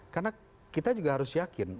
karena kita juga harus yakin